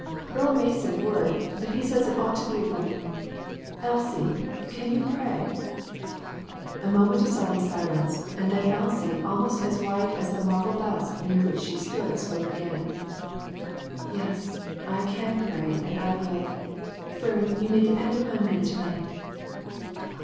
Earle Mason would, but he says it ought to be a woman. Elsie, you can pray ?" A moment of solemn silence, and then Elsie, almost as white as the marble bust near which she stood, spoke again "Yes, I can pray; and I will. Fern, you may depend upon me, to night."